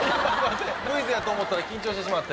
クイズやと思ったら緊張してしまって。